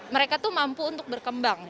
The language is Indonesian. mereka tuh mampu untuk berkembang